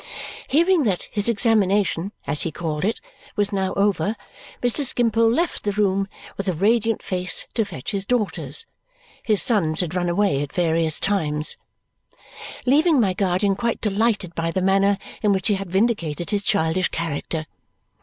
Hearing that his examination (as he called it) was now over, Mr. Skimpole left the room with a radiant face to fetch his daughters (his sons had run away at various times), leaving my guardian quite delighted by the manner in which he had vindicated his childish character.